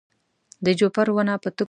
د جوپر ونه په تکو سپینو واورو کې پټه وه.